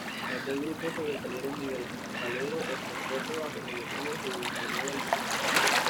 De aquel grupo sobresalieron Miguel Calero, Óscar Córdoba, Jorge Bermúdez e Iván Rene Valenciano.